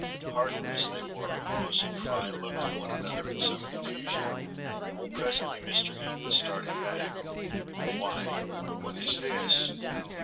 Hardened as they were, Hawes and Fry looked at one another in some confusion. Presently Mr. Eden started back. "Why, what is this?